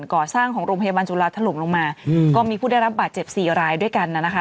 ก่อสร้างของโรงพยาบาลจุฬาถล่มลงมาอืมก็มีผู้ได้รับบาดเจ็บสี่รายด้วยกันนะคะ